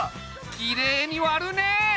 きれいに割るね！